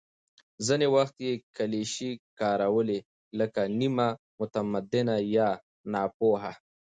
ځینې وخت یې کلیشې کارولې، لکه «نیمه متمدنه» یا «ناپوه».